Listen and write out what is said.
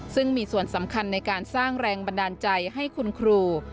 ซึ่งมีส่วนสำคัญในการสร้างแรงบันดาลใจให้คุณครู